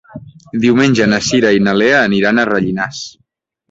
Diumenge na Cira i na Lea aniran a Rellinars.